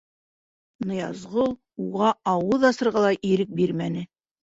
Ныязғол уға ауыҙ асырға ла ирек бирмәне: